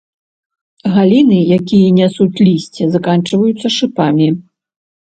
Галіны, якія нясуць лісце, заканчваюцца шыпамі.